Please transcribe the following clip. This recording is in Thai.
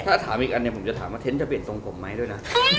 ถ้าถามอีกอันเนี่ยผมจะถามว่าเทนต์จะเปลี่ยนทรงผมไหมด้วยนะ